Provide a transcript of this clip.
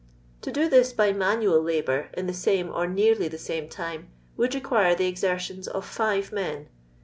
To do this by manual labour in the same or neariy the same time, would require the exertions of five men.